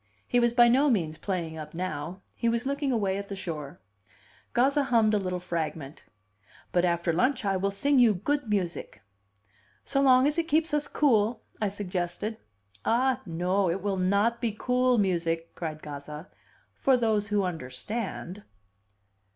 He was by no means playing up now. He was looking away at the shore. Gazza hummed a little fragment. "But after lunch I will sing you good music." "So long as it keeps us cool," I suggested. "Ah, no! It will not be cool music!" cried Gazza "for those who understand."